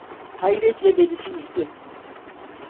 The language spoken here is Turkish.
Hayretle beni süzdü.